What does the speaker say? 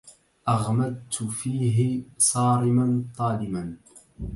أغمدت فيه صارماً طالما